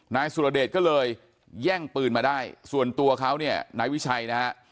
นายสุรเดชก็เลยแย่งปืนมาได้ส่วนตัวเขาเนี่ยนายวิชัยนะฮะ